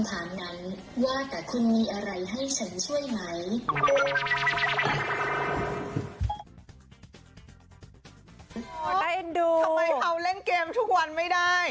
ทำไมเขาเล่นเกมทุกวันไม่ได้